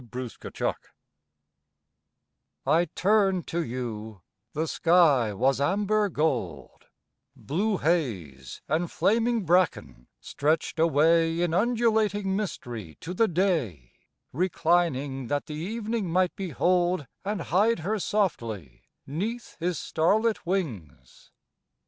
FOUND WANTING I turn'd to you, the sky was amber gold, Blue haze and flaming bracken stretched away In undulating mystery to the day, Reclining that the evening might behold And hide her softly 'neath his starlit wings.